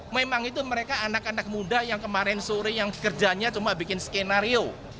memang itu mereka anak anak muda yang kemarin sore yang kerjanya cuma bikin skenario